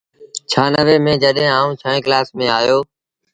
ڇآنوي ميݩ جڏهيݩ آئوٚݩ ڇوهيݩ ڪلآس ميݩ آيو ۔